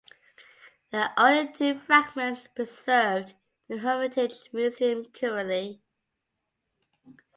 There are only two fragments preserved in the Hermitage Museum currently.